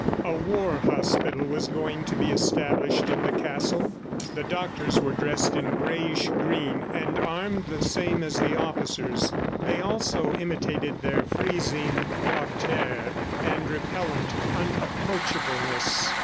A war hospital was going to be established in the castle. The doctors were dressed in grayish green and armed the same as the officers; they also imitated their freezing hauteur and repellent unapproachableness.